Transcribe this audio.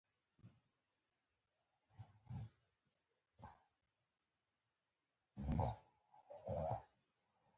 زه د ښاغلي محق د مقالې له چوکاټ سره موافق یم.